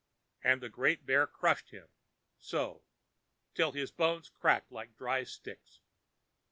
And the great bear crushed him, so, till his bones cracked like dry sticks.